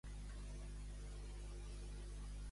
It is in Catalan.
Què esbrina, Bella, quan s'enamora d'Edward?